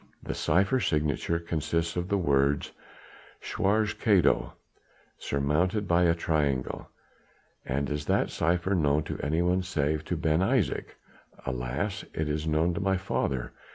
The cypher signature consists of the words 'Schwarzer Kato' surmounted by a triangle." "And is that cypher known to anyone save to Ben Isaje?" "Alas! it is known to my father.